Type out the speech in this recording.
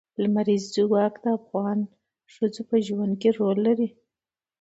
لمریز ځواک د افغان ښځو په ژوند کې رول لري.